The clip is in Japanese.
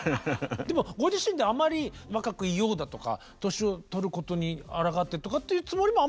でもご自身であまり若くいようだとか年を取ることにあらがってとかっていうつもりもあまりないんですね。